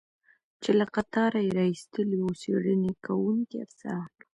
چې له قطاره یې را ایستلی و، څېړنې کوونکي افسران.